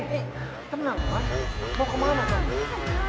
tenang wan mau kemana kamu